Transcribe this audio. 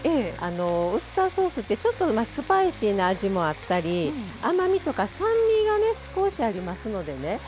ウスターソースってちょっとスパイシーな味もあったり甘みとか酸味がね少しありますのでね